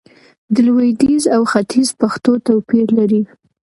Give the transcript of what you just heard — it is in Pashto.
د لويديځ او ختيځ پښتو توپير لري